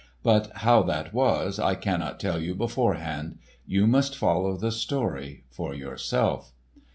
But how that was, I cannot tell you beforehand. You must follow the story for yourself.